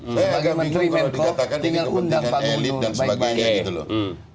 sebagai menteri menko tinggal undang pak gubernur